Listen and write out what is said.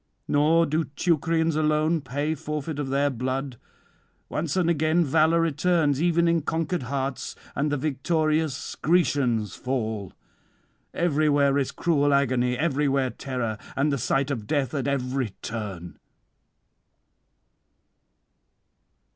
Nor do Teucrians alone pay forfeit of their blood; once and again valour returns even in conquered hearts, and the victorious Grecians fall. Everywhere is cruel agony, everywhere terror, and the sight of death at every turn.